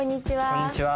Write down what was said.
こんにちは。